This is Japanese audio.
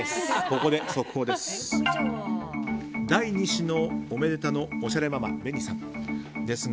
ここで速報です。